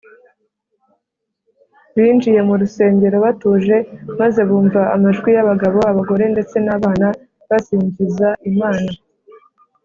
binjiye mu rusengero batuje maze bumva amajwi y’abagabo, abagore ndetse n’abana basingiza imana